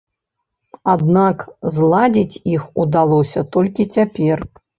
Аднак зладзіць іх удалося толькі цяпер.